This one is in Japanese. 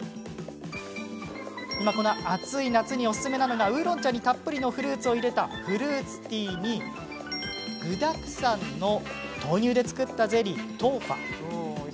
暑い夏におすすめなのがウーロン茶にたっぷりのフルーツを入れたフルーツティーに具だくさんの豆乳で作ったゼリー豆花。